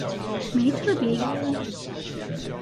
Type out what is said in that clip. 沒特別有